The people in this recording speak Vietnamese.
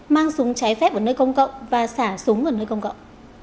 mang súng trái phép ở nơi công cộng và xả súng ở nơi công cộng